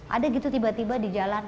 ada gitu tiba tiba di jalan